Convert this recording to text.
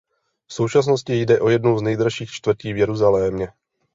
V současnosti jde o jednu z nejdražších čtvrtí v Jeruzalémě.